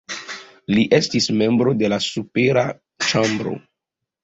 Li estis membro de la supera ĉambro.